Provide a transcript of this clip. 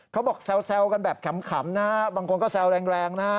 เขาบอกแซวกันแบบขำนะฮะบางคนก็แซวแรงนะฮะ